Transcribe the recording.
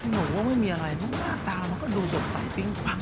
อ๋อหนูว่ามันไม่มีอะไรมึงลาก่อนมันก็ดูสุดใสวิ่งปัง